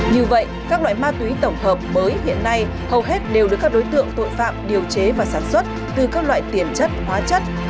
như vậy các loại ma túy tổng hợp mới hiện nay hầu hết đều được các đối tượng tội phạm điều chế và sản xuất từ các loại tiền chất hóa chất